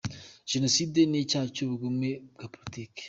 Jenoside ni icyaha cy’ubugome bwa politiki.